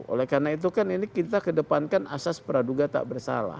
oleh karena itu kan ini kita kedepankan asas peraduga tak bersalah